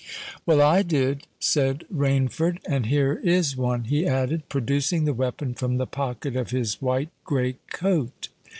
"Well, I did," said Rainford. "And here is one," he added, producing the weapon from the pocket of his white great coat.